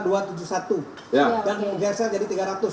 dan geser jadi tiga ratus